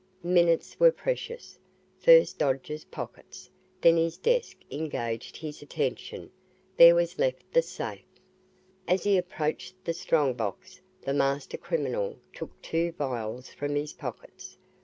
Minutes were precious. First Dodge's pockets, then his desk engaged his attention. There was left the safe. As he approached the strong box, the master criminal took two vials from his pockets.